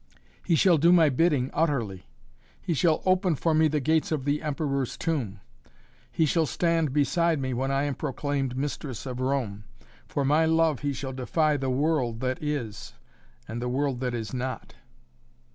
He shall do my bidding utterly. He shall open for me the gates of the Emperor's Tomb. He shall stand beside me when I am proclaimed mistress of Rome! For my love he shall defy the world that is and the world that is not."